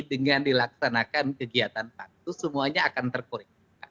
dengan dilaksanakan kegiatan pansus semuanya akan terkoreksi